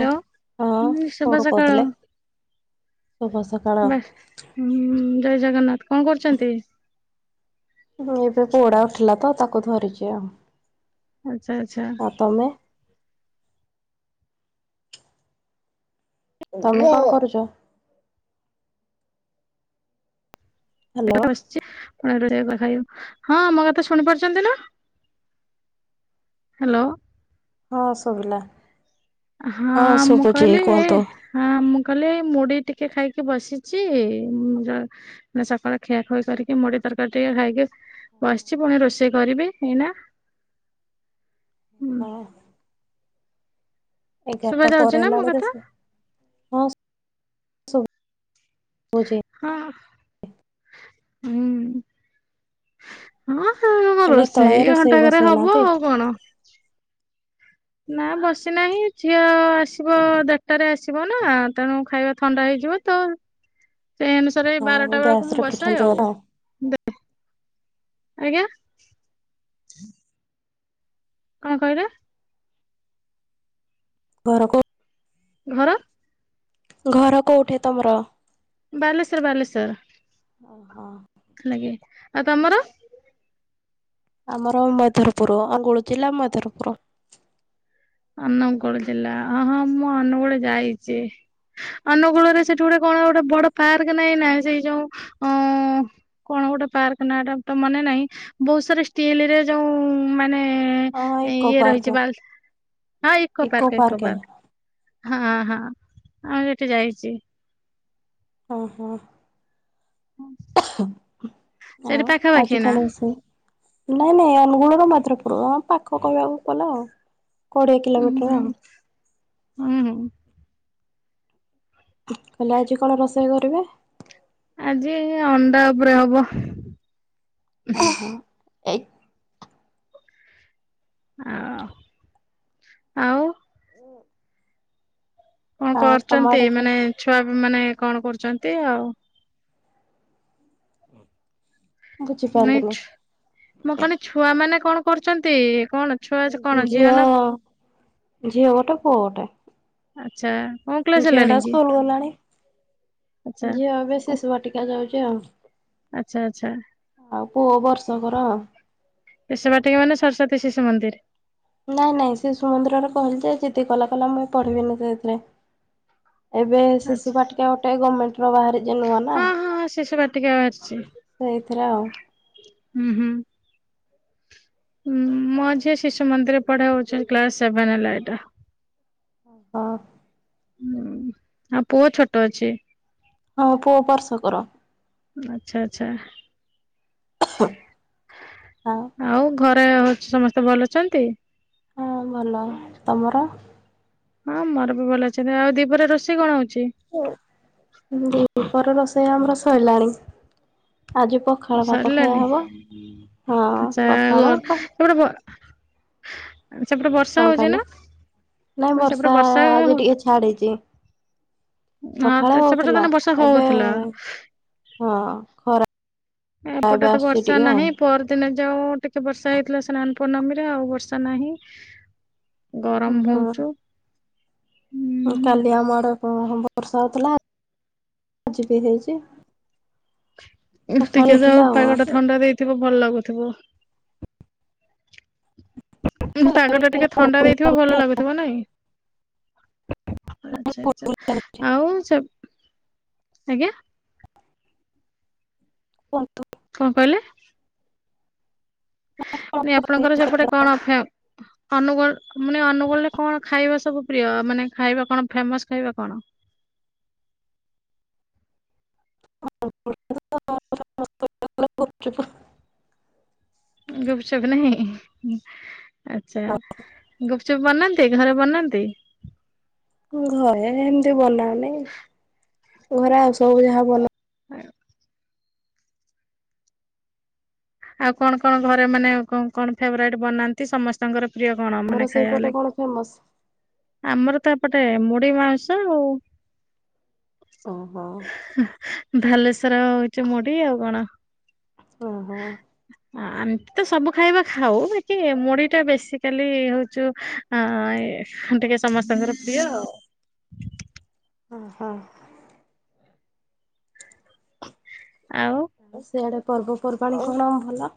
Hello ହଁ ହୁଁ ଶୁଭ କଣ ସକାଳ। କହୁଥିଲେ? ଶୁଭ ସକାଳ ବାସ୍ ଉଁ ଜୟ ଜଗନ୍ନାଥ କଣ କରୁଚନ୍ତି? [unintelligible] ଏବେ ପୁଅଟା ଉଠିଲା ତ ତାକୁ ଧରିଚି ଆଉ। ଆଚ୍ଛା ଆଚ୍ଛା। ଆଉ ତମେ ତମେ କଣ କରୁଚ? ଏ ହ୍ୟାଲୋ ବସିଚି [unintelligible] ହାଲୋ ହଁ ମୋ କଥା ଶୁଣି ପାରୁଚନ୍ତି ନା? ହାଲୋ। ହଁ ସୁଭିଲା। ହଁ ମୁଁ କହିଲି ଏ ହଁ ମୁଁ କହିଲି ମୁଢି ଟି କେ ଖାଇକି ବସିଚି ସକାଳ ଖିଆଖୁଇ କରିକି ମୁଢି ତରକାରୀ ଟିକେ ଖାଇକି ବସିଚି ପୁଣି ରୋଷେଇ କରିବି ଏଇନା। ହୁଁ ଓ ହୋ। ଶୁଭା ଏଗାରଟା ଯାଉଛି ପରେ ନା ମୋ ହେଲାଣିରେ କଥା ସ ହଁ ଶୁ ହଁ ହୁଁ। ହଁ [unintelligible] ମୋ ହେଲେ ରୋଷେଇ ତଳେ ଘଣ୍ଟାକରେ ହବ ବସେଇନାହାନ୍ତି ଆଉ କଣ। ନା ବସିନାହିଁ ଝିଅ ଆସିବ ଦେଢଟାରେ ଆସି ବନା ତେଣୁ ଖାଇବା ଥଣ୍ଡା ହେଇଯିବ ତ ସେଇ ଅନୁସାରେ ଏଇ ହଁ ବାରଟା ଗ୍ୟାସ୍ ବେଳକୁ ମୁଁ ବସାଏ ରଖିଛନ୍ତି ଆଉ ବୋଧେ ଦେ ଆଜ୍ଞା। କଣ କହିଲେ? ଘର କୋ ଘର ଘର କୋଉଠି ତମର? ବାଲେଶ୍ଵର ବାଲେଶ୍ୱର। ଓ ହୋ। ଆଉ ତମର। ଆମର ମଧରପୁର ଅନୁଗୁଳ ଜିଲ୍ଲା ମଧରପୁର। ଅନୁଗୁଳ ଜିଲ୍ଲା ଅ ହଁ ମୁଁ ଅନୁଗୁଳ ଯାଇଚି। ଅନୁଗୁଳୁରେ ସେଠି ଗୋଟେ କଣ ଗୋଟେ ବଡ ପାର୍କ ନାଇଁ ନା ସେଇ ଯୋଉ ଅ କଣ ଗୋଟେ ପାର୍କ ନାଟା ତ ମନେ ନାଇଁ ବୋ ଉଷା ରେ ଷ୍ଟିଲରେ ଯୋଉ ମାନେ ହଁ ଇକୋ ଇଏ ପାର୍କ ରହିଚି ବାଲ ହଁ ଇକୋ ପାର୍କ ଇକୋ ପାର୍କ ହଁ ହଁ ଆମେ ହେଟି ଯାଇଚି। ଓ ହୋ। ଆଉ ସେଇଠି ପାଖାପାଖି ଆଜି ନା କଣ ରୋଷେଇ ଉଁ ନାଇଁ ନାଇଁ ଅନୁଗୁଳ ର ମଦରପୁରୁ ଅଁ ପାଖ କଇବାକୁ ଗଲେ। ଆଉ କୋଡିଏ ଉଁ କିଲୋମିଟର ହୁଁ ଆଉ। ହୁଁ ହୁଁ। ତାଲେ ଆଜି କଣ ରୋଷେଇ କରିବେ? ଆଜି ଅଣ୍ଡା ଉପରେ ହବ। ଆଉ ଆଉ। କଣ ଆଉ ତମ କରୁଛନ୍ତି? ଆଡ଼େ କଣ ମାନେ ଛୁଆ ମାନେ କଣ କରୁଚନ୍ତି ଆଉ? ନାଇଁ ବୁଝିପାରିଲିନି ଛୁ ମୁଁ କନି ଛୁଆ ମାନେ କଣ କରୁଚନ୍ତି? ଆଉ ଝିଅ ଝିଅ ଗୋଟେ ପୁଅ ଗୋଟେ। ଆଚ୍ଛା କୋଉ କ୍ଲାସ ହେଲାଣି ଝିଅଟା କି ସ୍କୁଲ ଗଲାଣି। ଆଚ୍ଛା ଝିଅ ଏବେ ଶିଶୁ ବାଟିକା ଯାଉଚି ଆଉ। ଆଛା ଆଛା। ଆଉ ପୁଅ ବର୍ଷକର। ଶିଶୁ ବାଟିକା ମାନେ ସରସ୍ଵତୀ ଶିଶୁ ମନ୍ଦିର। ନାଇଁ ନାଇଁ ଶିଶୁ ମନ୍ଦିରରେ କହିଲି ଯେ ଜିଦି କଲା କହିଲା ମୁଇଁ ପଢିବିନି ସେଇଥିରେ। ଏବେ ଆଚ୍ଛା ଶିଶୁ ବାଟିକା ଗୋଟେ ଗମେଣ୍ଟ ର ବାହାରିଚି ନୂଆ ନା। ହଁ ହଁ ଶିଶୁ ବାଟିକା ସେଇଥିରେ ଆଉ। ଉଁ ହୁଁ। ମୋ ଝିଅ ଶିଶୁ ମନ୍ଦିର ପଢେ ହଉଛି କ୍ଲାସ ସେଭେନ ହେଲା ଏଇଟା। ଓ। ହୁଁ ଆଉ ପୁଅ ଛୋଟ ଅଛି। ହଁ ପୁଅ ବର୍ଷକର। ଆଚ୍ଛା ଆଚ୍ଛା ଆଉ। ଘରେ ହଉଚି ସମସ୍ତେ ଭଲ ଅଛନ୍ତି? ହଁ ଭଲ ତମର? ହଁ ଆମର ବି ଭଲ ଅଛନ୍ତି। ଆଉ ଦିପରେ ରୋଷେଇ କଣ ହଉ ଉଁ ଦିପହର ରୋଷେଇ ଆମର ସଇଲାଣି। ଆଜି ପଖାଳ ଭାତ ଖାଇବା ସରିଲାନି ହବ ହଁ ଆଚ୍ଛା ପଖାଳ କ ସେପଟେ ବ ସେପଟେ ବର୍ଷା କଣ ହଉଛି କହିଲେ ନା? ନାଇଁ ମାନେ ସେପଟେ ବର୍ଷା ହଉ ଆଜି ହଁ ଟିକେ ଛାଡିଚି। ତ ସଖାଳେ ସେପଟେ ହଉଥିଲା ତାନେ ବର୍ଷା ଏବେ ହଉଥିଲା ହଁ ଖରା। ଏବେ ଏପଟେ ତ ଆସୁଛି ବର୍ଷା ଟିକେ ଆଉ। ନାହିଁ ପଅରଦିନ ଯଉ ଟିକେ ବର୍ଷା ହେଇଥିଲା ସ୍ନାନ ପୂର୍ଣ୍ଣମୀରେ ଆଉ ବର୍ଷା ନାହିଁ। ଗରମ ଭଉଚୁ। ଉଁ କାଲି ଆମ ଆଡେ ହଁ ହଁ ବର୍ଷା ହଉଥିଲା ଆଜି ବି ହେଇଚି। ଟିକେ ଯାଉ ପାଗ ଟା ଆଉ। ଥଣ୍ଡା ଦେଇଥିବ ଭଲ ଲାଗୁ ଥିବ। ଉଁ ଘରେ ପାଗ ଟା ଟିକେ ଥଣ୍ଡା ଦେଇଥିବ ଭଲ ଲାଗୁଥିବ ନାଇଁ। ଆଚ୍ଛା ଆଛା ଆଉ ସେ ଆଜ୍ଞା କଣ କହିଲେ? ମୁଁ କହିଁନି ଆପଣଙ୍କର ସେପଟେ କଣ ଫେ ଅନୁଗୋଳ ମାନେ ଅନୁଗୋଳରେ କଣ ଖାଇବା ସବୁ ପ୍ରିୟ ମାନେ ଖାଇବା କଣ ଫେମସ ଖାଇବା କଣ [unintelligible] ଗୁପଚପ ନାହିଁ ଆଚ୍ଛା ଗୁପ ଚୁପ୍ ବନାନ୍ତି ଘରେ ବନାନ୍ତି? ଘରେ ଏମିତି ବନାଉନି ଘରେ ଆଉ ସବୁ ଯାହା ବନା [unintelligible] ଆଉ କଣ କଣ ଘରେ ମାନେ କଣ କଣ ଫେବରାଇଟ ବନାନ୍ତି ସମସ୍ତଙ୍କର ପ୍ରିୟ କଣ ଆମର ମାନେ ଖାଇବା ସେଇପଟେ ଲାଗି? କଣ ଫେମସ? ଆମର ତ ପଟେ ମୁଢ଼ୀ ମାଉଁସ ଆଉ ଓହୋ ହା ବଲେଶ୍ଵର ହୋଉଛି ମୁଢି ଆଉ କଣ। ଓ ହୋ। ଆ ଏମିତି ତ ସବୁ ଖାଇବା ଖାଉ ବାକି ମୁଢି ଟା ବେଶିକାଲି ହଉଚୁ ଟିକେ ସମସ୍ତଙ୍କର ପ୍ରିୟ। ଅହ ଆଉ? ସେଆଡେ ପର୍ବପର୍ବାଣି କଣ ଭଲ?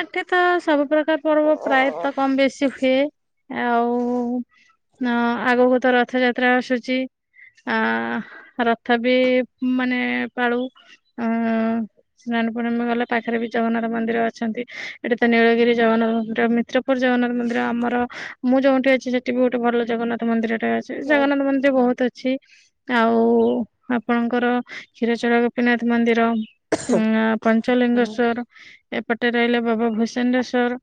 ଏଠି ତ ସବୁ ପ୍ରକାର ପର୍ବ ପ୍ରାୟତଃ କମ ବେଶୀ ହୁଏ। ଆଉ ଆଗକୁ ତ ରଥଯାତ୍ରା ଆସୁଛି। ଆ ରଥ ବି ମାନେ ପାଳୁ ଅ [unintelligible] ପୂର୍ଣ୍ଣମୀ ଗଲେ ପାଖରେ ବି ଜଗନ୍ନାଥ ମନ୍ଦିର ଅଛନ୍ତି ଏଠି ତ ନୀଳଗିରି ଜଗନ୍ନାଥ ମନ୍ଦିର। ମିତ୍ରପୁର ଜଗନ୍ନାଥ ମନ୍ଦିର ଆମର ମୁଁ ଯୋଉ ଅଛି ସେଠି ବି ଗୋଟେ ଭଲ ଜଗନ୍ନାଥ ମନ୍ଦିର ଟା ଅଛି ଜଗନ୍ନାଥ ମନ୍ଦିର ବହୁତ ଅଛି ଆଉ ଆପଣଙ୍କର କ୍ଷୀରଚୋରା ଗୋପୀନାଥ ମନ୍ଦିର ପଞ୍ଚଲିଙ୍ଗେଶ୍ଵର ଏପଟେ ରହିଲେ ବାବା ଭୂଷଣ୍ଡସ୍ୱର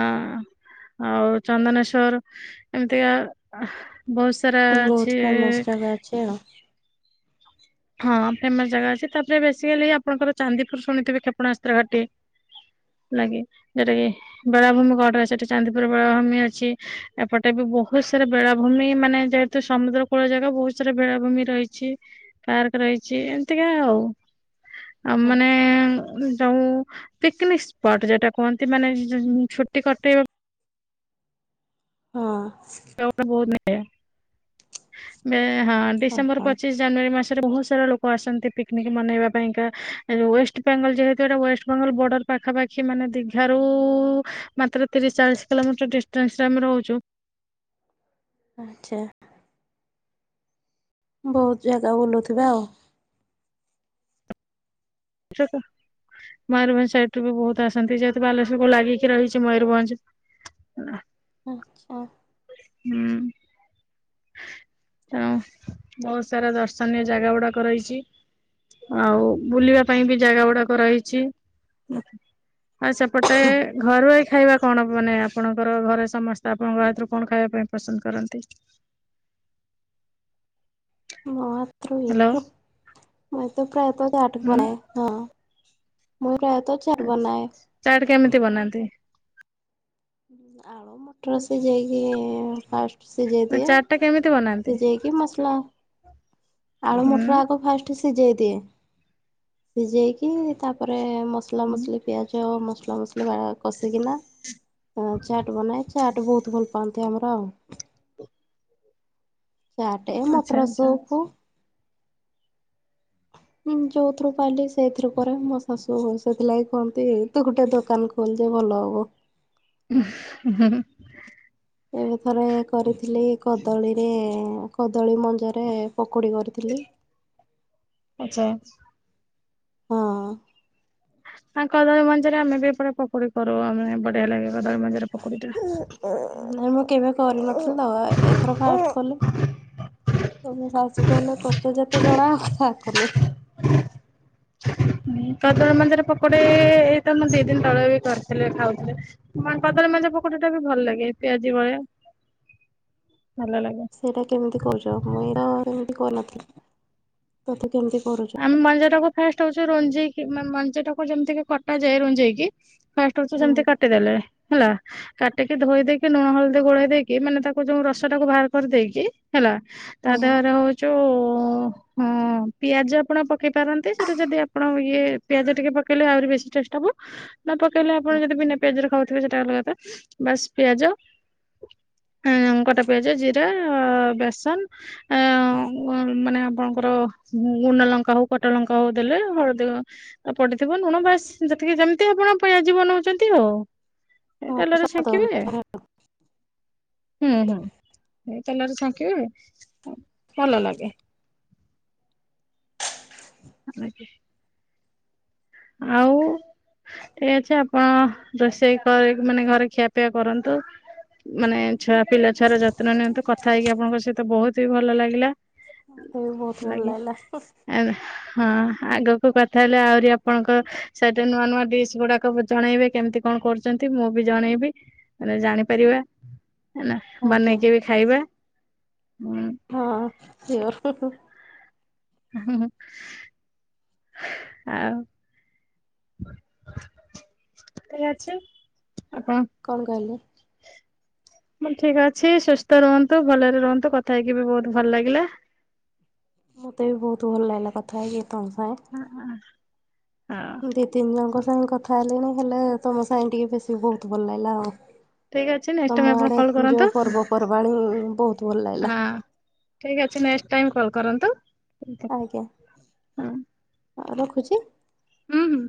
ଅ ଆଉ ଚନ୍ଦନେଶ୍ଵର ଏମିତିକା ବହୁତ ସାରା ଅଛି ବହୁତ ଫେମସ ଜାଗା ଅଛି ଏ ଆଉ ହଁ ଫେମସ ଜାଗା ଅଛି ତାପରେ ବେଶୀ ହେଲେ ଆପଣଙ୍କର ଚାନ୍ଦିପୁର ଶୁଣିଥିବେ କ୍ଷେପଣାସ୍ତ୍ର ଘାଟି। ଲାଗେ ଯୋଉଟା କିି ବେଳାଭୂମି କଡରେ ସେଠି ଚାନ୍ଦିପୁର ବେଳାଭୂମି ଅଛି ଏପଟେ ବି ବହୁତ ସାରା ବେଳାଭୂମି ମାନେ ଯେହେତୁ ସମୁଦ୍ର କୂଳ ଜାଗା ବହୁତ ସାରା ବେଳାଭୂମି ରହିଛି। ପାର୍କ ରହିଛି। ଏମତିକା ଆଉ ଆଉ ମାନେ ଯୋଉ ପିକନିକ ସ୍ପଟ ଯୋଉଟା କୁହନ୍ତି ମାନେ ଛୁଟି କଟେଇବା ହଁ [unintelligible] ମେଁ ହଁ ଡିସେମ୍ବର ଓହୋ। ପଚିଶ ଜାନୁଆରି ମାସ ବହୁତ ସାରା ଲୋକ ଆସନ୍ତି ପିକ୍ନିକ୍ ମନେଇବା ପାଇଁକା ଆଉ ୱେଷ୍ଟବେଙ୍ଗଲ ଯେହେତୁ ଏଟା ୱେଷ୍ଟ ବଙ୍ଗଲ ବର୍ଡର ପାଖାପାଖି ମାନେ ଦୀଘାରୁ ମାତ୍ର ତିରିଶ ଚାଳିଶ କିଲୋମିଟର ଡିଷ୍ଟାନ୍ସ ରେ ଆମେ ରହୁଛୁ ଆଚ୍ଛା। ବହୁତ ଜାଗା ବୁଲୁଥିବେ ଆଉ। ସେଟ ମୟୂରଭଞ୍ଜ ସାଇଟ୍ ରୁ ବି ବହୁତ ଆସନ୍ତି ଯେହେତୁ ବାଲେଶ୍ୱରକୁ ଲାଗିକି ରହିଛି ମୟୂରଭଞ୍ଜ ଆଚ୍ଛା ହୁଁ। ତେଣୁ ବହୁତ ସାରା ଦର୍ଶନୀୟ ଜାଗା ଗୁଡାକ ରହିଛି। ଆଉ ବୁଲିବା ପାଇଁ ବି ଜାଗା ଗୁଡାକ ରହିଛି। ଆଉ ସେପଟେ ଘରୁଆଇ ଖାଇବା କଣ ମାନେ ଆପଣଙ୍କର ଘରେ ସମସ୍ତେ ଆପଣଙ୍କ ହାତରୁ କଣ ଖାଇବା ପାଇଁ ପସନ୍ଦ କରନ୍ତି? ମୋ ହାତରୁ କି? ହ୍ୟାଲୋ। ମୋ ହାତରୁ ପ୍ରାୟତଃ [unintelligible] ହୁଁ ବନାଏ ହଁ ମୁଁ କାଇଁ ଏତ ଆଛା ଚାଟ କେମିତି ବନାନ୍ତି? ଆଳୁ ମଟର ସିଝେଇକି ଫାଷ୍ଟ- ସିଝେଇ ନା ଦିଏ। ଚାର୍ଟଟା କେମିତି ବନାନ୍ତି? ସିଝେଇକି ମସଲା ଆଳୁ ହୁଁ ମଟର ଆଗ ଫାଷ୍ଟ ସିଝେଇ ଦିଏ ସିଝେଇକି ତାପରେ ମସଲା ହୁଁ ମସଲି ପିଆଜ ମସଲା ମସଲି ବା କସିକିନା ଚାର୍ଟ ବନାଏ ଚାର୍ଟ ବହୁତ ଭଲ ପାଆନ୍ତି ଆମର। ହଁ ଚାଟେ ଆଚ୍ଛା ମଟର ଆଚ୍ଛା ସୁପ [inaudible] ହଁ ଯୋଉଥିରୁ ପାଇଲିି ସେଇଥିରୁ କରେ ମୋ ଶାଶୁ ସେଥିଲାଗି କୁହନ୍ତି ତୁ ଗୋଟେ ଦୋକାନ ଖୋଲିଦେ ଭଲ ହବ। ହୁଁ ହୁଁ ହୁଁ ଏବେ ଥରେ କରିଥିଲି କଦଳୀରେ କଦଳୀ ମଞ୍ଜରେ ପକୁଡ଼ି କରିଥିଲି। ଆଚ୍ଛା। ହଁ। ହା କଦଳୀ ମଞ୍ଜରେ ଆମେବି ଏପଟେ ପକୁଡି କରୁ ଆ ମାନେ ବଢିଆ ଲାଗେ କଦଳୀ ମଞରେ ପକୁଡି ଟା। ନାଇଁ ମୁଁ କେବେ କରିନଥିଲି ତ ଏଇଥର ଫାଷ୍ଟ କଲି। ତମ ଶାଶୁ କହିଲେ ତୋତେ ଯେତେ ଜଣା କାହାକୁ ନାହିଁ। [unintelligible] କଦଳୀ ମଞରେ ପକୁଡି ଏଇ ତ ମୁଁ ଦି ଦିନ ତଳେ ବି କରିଥିଲି ଖାଉଥିଲେ କଦଳୀ ମଞ ପକୁଡ଼ିଟା ବି ଭଲ ଲାଗେ ପିଆଜି ଭଳିଆ। ଭଲ ଲାଗେ। ସେଇଟା କେମିତି କରୁଛ ମୁଇଁ ତ ଏମିତି କରିନଥିଲି ତ ଆମେ ମଞ୍ଜି ଟାକୁ ଫାଷ୍ଟ ହଉଛୁ ରଞ୍ଜେଇିକି ମାନେ ମଞ୍ଜି ଟାକୁ ଯେମିତିକି କଟା ଯାଏ ରୁଞ୍ଜେକି ଫାଷ୍ଟ ହଉଛି ହୁଁ ସେମିତି କାଟିଦେଲେ ହେଲା କାଟିକି ଧୋଇ ଦେଇକି ଲୁଣ ହଳଦୀ ଗୋଳେଇ ଦେଇକି ମାନେ ତାକୁ ଯୋଉ ରସ ଟାକୁ ବାହାର କରିଦେଇକି ହେଲା ତା ହଁ ଦେହରେ ହଉଚୁ ହଁ ପିଆଜ ଆପଣ ପକେ ପକେଇ ପାରନ୍ତି ସେଇଟା ଯଦି ଆପଣ ଇଏ ପିଆଜ ଟିକେ ପକେଇଲେ ଆହୁରି ବେଶୀ ଟେଷ୍ଟ ହବ। ନ ପକେଇଲେ ଆପଣ ଯଦି ବିନା ପିଆଜର ଖାଉଥିବେ ସେଟା ଅଲଗା କଥା ବାସ୍ ପିଆଜ, ଆଁ କଟା ପିଆଜ ଜିରା ବେସନ ଅଁ ମାନେ ଆପଣଙ୍କର ଗୁଣ୍ଡ ଲଙ୍କା ହଉ କଟା ଲଙ୍କା ହଉ ଦେଲେ ହଳଦୀ ପଡିଥିବ ଲୁଣ ବାସ୍। ଯେତିକି ଯେମିତି ଆପଣ ପିଆଜି ବନଉଛନ୍ତି ଆଉ। ହଁ ତେଲରେ ସ୍ୱାଦ ହଉଛି। ଛାଙ୍କିବେ। ହୁଁ ହୁଁ ତେଲରେ ଛାଙ୍କିବେ ଭଲ ଲାଗେ। [unintelligible] ଆଉ ଠିକ ଅଛି ଆପଣ ରୋଷେଇ କରି ମାନେ ଘରେ ଖିଆପିଆ କରନ୍ତୁ ମାନେ ଛୁଆ ପିଲା ଛୁଆର ଯତ୍ନ ନିଅନ୍ତୁ କଥା ହେଇକି ଆପଣଙ୍କ ସହିତ ବହୁତ ହି ଭଲ ଲାଗିଲା। ମୋତେ ବି ବହୁତ ଭଲ ଲାଗି ଲାଗିଲା। ଏବେ ହଁ ଆଗକୁ କଥା ହେଲେ ଆହୁରି ଆପ ଆପଣଙ୍କ ସେମିତି ନୂଆ ନୂଆ ଡିସ୍ ଗୁଡାକ ଜଣେଇବେ କେମିତି କଣ କରୁଛନ୍ତି, ମୁଁ ବି ଜଣେଇବି। ଜାଣିପାରିବା ହେଲା ଆଜ୍ଞା ବନେଇକି ବି ଖାଇବା। ହଁ ସିଅର୍ ହଁ ହଁ ହୁଁ ହୁଁ ଆଉ ଘରେ ଅଛି ଆପଣ କଣ କହିଲେ? [inaudible] ଠିକ ଅଛି ସୁସ୍ଥ ରୁହନ୍ତୁ ଭଲରେ ରୁହନ୍ତୁ କଥା ହେଇକି ବି ବହୁତ ଭଲ ଲାଗିଲା। ମୋତେ ବି ବହୁତ ଭଲ ଲାଗିଲା କଥା ହେଇ। ହଁ ହ। ଦି ତିନି ଜଣଙ୍କ ସାଙ୍ଗେ କଥା ହେଲେଣିି ହେଲେ ତମ ସାଙ୍ଗେ ଟିକେ ବେଶୀ ବହୁତ ଭଲ ଲାଗିଲା ଆଉ। ଠିକ ଅଛି ନେକ୍ସଟ ଟାଇମ ତମ ଆପଣ ଆଡେ କଲ୍ କରନ୍ତୁ ଯୋଉ ପର୍ବପର୍ବାଣି ବହୁତ ଭଲ ଲାଗିଲା। ହଁ ଠିକ ଅଛି ନେଷ୍ଟଟାଇମ କଲ କରନ୍ତୁ ହଁ। ହଁ ରଖୁଛି? ହୁଁ ହୁଁ।